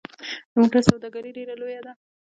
د موټرو سوداګري ډیره لویه ده